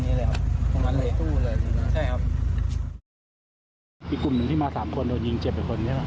อีกกลุ่มหนึ่งที่มา๓คนโดยยิงเจ็บ๑คนใช่มั้ยครับ